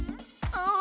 ああ。